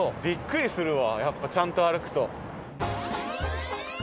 びっくりするわやっぱちゃんと歩くと。